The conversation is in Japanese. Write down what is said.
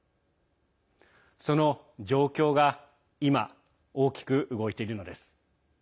その状況が今、大きく動いているのです。